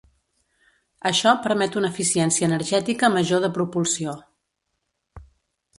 Això permet una eficiència energètica major de propulsió.